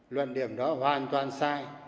luận điểm đó hoàn toàn sai